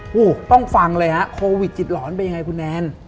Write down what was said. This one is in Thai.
โอ้โหต้องฟังเลยฮะโควิดจิตหลอนเป็นยังไงคุณแนน